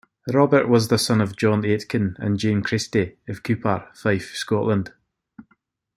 Robert was the son of John Aitken and Jane Christie, of Cupar, Fife, Scotland.